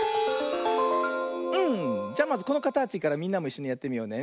うんじゃまずこのかたちからみんなもいっしょにやってみようね。